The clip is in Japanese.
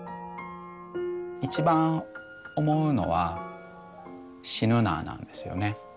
一番思うのは死ぬななんですよね。